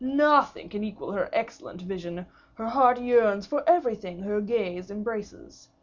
Nothing can equal her excellent vision. Her heart yearns for everything her gaze embraces.